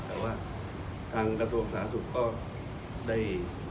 แต่ว่าทางกระทรวงสาธารณสุขก็ได้